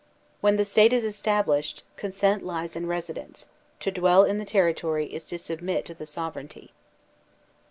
When the State is established, consent lies in residence; to dwell in the territory is to submit to the sovereignty.